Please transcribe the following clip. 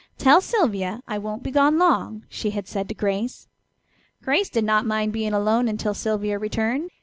"Tell Sylvia I won't be gone long," she had said to Grace. Grace did not mind being alone until Sylvia returned.